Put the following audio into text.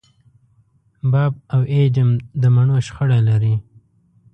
باب او اېډم د مڼو شخړه لري.